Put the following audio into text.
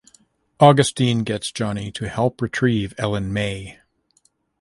Augustine gets Johnny to help retrieve Ellen May.